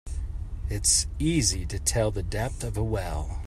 It's easy to tell the depth of a well.